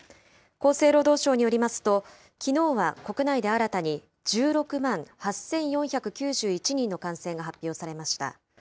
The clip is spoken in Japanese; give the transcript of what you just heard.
厚生労働省によりますと、きのうは国内で新たに１６万８４９１人の感染が発表されました。